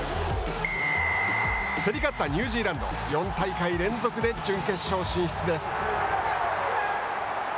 競り勝ったニュージーランド４大会連続で準決勝進出です。